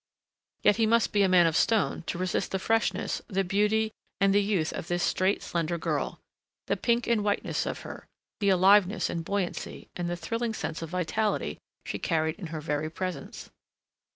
Yet he must be a man of stone to resist the freshness, the beauty and the youth of this straight, slender girl; the pink and whiteness of her, the aliveness and buoyancy and the thrilling sense of vitality she carried in her very presence.